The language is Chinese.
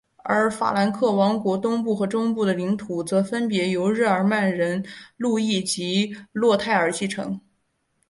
而法兰克王国东部和中部的领土则分别由日耳曼人路易及洛泰尔继承。